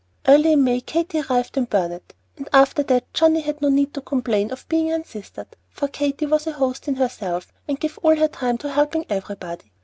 Early in May Katy arrived in Burnet; and after that Johnnie had no need to complain of being unsistered, for Katy was a host in herself, and gave all her time to helping everybody.